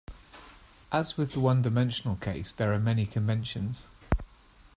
As with the one-dimensional case, there are many conventions.